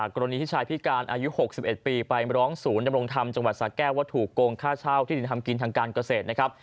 กรณีที่ชายพิการอายุ๖๑ปีไปร้องศูนย์ดำรงธรรมจังหวัดสาแก้วว่าถูกโกงค่าเช่าที่ดินทำกินทางการเกษตรนะครับ